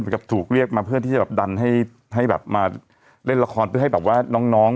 กับถูกเรียกมาเพื่อที่จะแบบดันให้แบบมาเล่นละครเพื่อให้แบบว่าน้อง